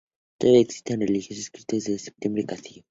Todavía existen registros escritos de este primer castillo.